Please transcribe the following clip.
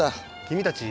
君たち